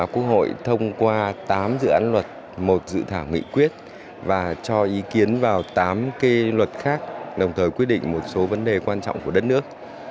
quốc hội thông qua tám dự án luật một dự thảo nghị quyết và cho ý kiến vào tám luật khác đồng thời quyết định một số vấn đề quan trọng của đất nước